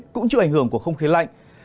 cũng chịu ảnh hưởng của không khí lạnh